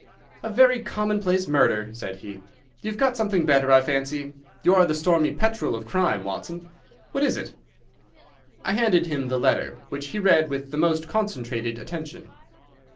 "A very commonplace little murder," said he. "You've got something better, I fancy. You are the stormy petrel of crime, Watson. What is it?" I handed him the letter, which he read with the most concentrated attention.